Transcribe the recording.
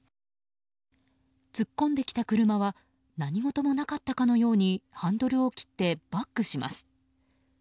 突っ込んできた車は何事もなかったかのようにハンドルを切って、バックします。